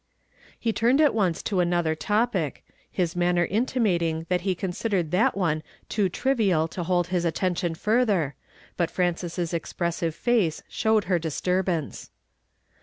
He turned at once to another topic, his manner intimating that he considered that one too trivial to hold his attention further, but Frances's ex pressive face showed her disturbance.